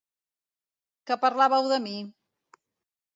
Que parlàveu de mi?